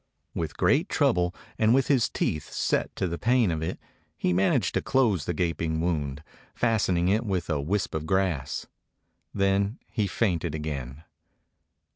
With great trouble and with his teeth set to the pain of it, he managed to close the gap ing wound, fastening it with a wisp of grass. Then he fainted again.